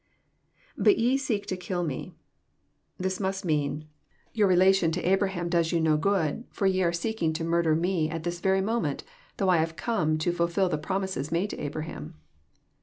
[Biit ye seek to kill me.] This must mean, <*Tonr relation to JOHN, CHAP. vm. 113 Abraham does yon no good, for ye are seeking to mnrder Me at this very moment, thongh I have come to flilfil the promises made to Abraham."